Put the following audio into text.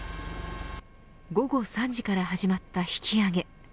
午後３時から始まった引き揚げ。